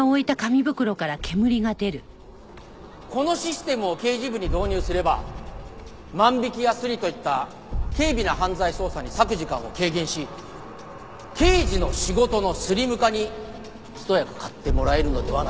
このシステムを刑事部に導入すれば万引きやスリといった軽微な犯罪捜査に割く時間を軽減し刑事の仕事のスリム化にひと役買ってもらえるのではないかと。